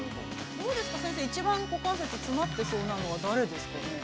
◆どうですか、先生一番、股関節詰まってそうなのは誰ですかね。